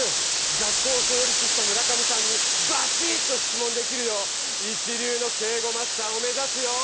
学校をそう立した村上さんにバシッとしつもんできるよう一りゅうの敬語マスターをめざすよ！